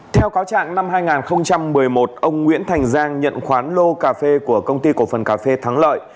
theo cáo trạng năm hai nghìn một mươi một ông nguyễn thành giang nhận khoán lô cà phê của công ty cổ phần cà phê thắng lợi